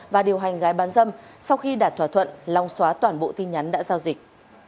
và điều hành gái bán dâm sau khi đạt thỏa thuận long xóa toàn bộ tin nhắn đã giao dịch